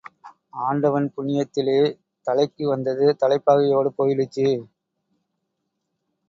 ஆண்டவன் புண்ணியத்திலே தலைக்கு வந்தது தலைப்பாகையோடே போயிடுச்சு.